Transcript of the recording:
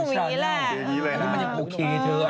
จริงก็ประมาณพี่หนุ่มอย่างนี้แหละ